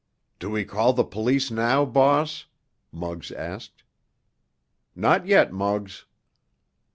"Do we call the police now, boss?" Muggs asked. "Not yet, Muggs."